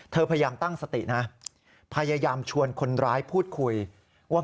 พยายามตั้งสตินะพยายามชวนคนร้ายพูดคุยว่า